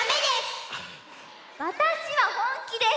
わたしはほんきです！